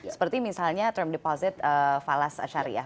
seperti misalnya term deposit falas syariah